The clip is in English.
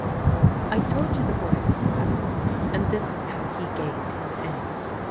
I told you the boy was clever; and this is how he gained his end.